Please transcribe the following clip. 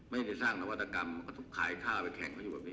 ไม่ได้สร้างนวัตกรรมขายข้าวไปแข่งเขาอยู่แบบนี้